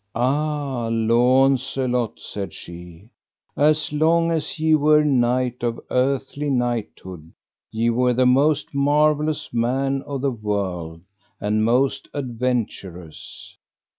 Ah, Launcelot, said she, as long as ye were knight of earthly knighthood ye were the most marvellous man of the world, and most adventurous.